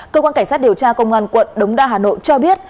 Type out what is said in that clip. cơ quan cảnh sát điều tra công an quận đống đa hà nội cho biết